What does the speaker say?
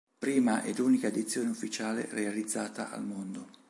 Prima ed unica edizione Ufficiale realizzata al mondo.